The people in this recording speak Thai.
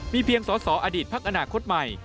เพียงสอสออดีตพักอนาคตใหม่